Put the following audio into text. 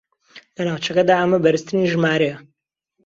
لە ناوچەکەدا ئەمە بەرزترین ژمارەیە